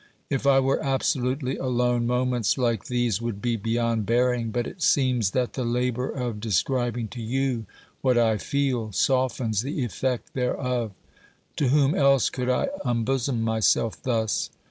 If I were absolutely alone, moments like these would be beyond bearing, but it seems that the labour of describ ing to you what I feel softens the effect thereof. To whom else could I unbosom myself thus